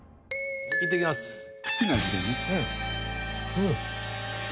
うん。